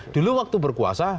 dulu waktu berkuasa